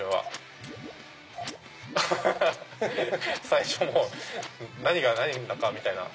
最初何が何だかみたいな。